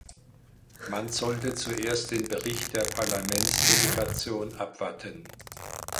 Man sollte zuerst den Bericht der Parlamentsdelegation abwarten.